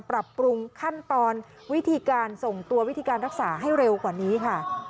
ปรับปรุงขั้นตอนวิธีการส่งตัววิธีการรักษาให้เร็วกว่านี้ค่ะ